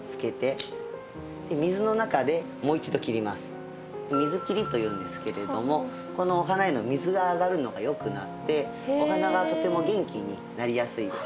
次は「水切り」というんですけれどもこのお花への水が上がるのがよくなってお花がとても元気になりやすいです。